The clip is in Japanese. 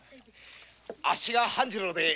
あっしは半次郎。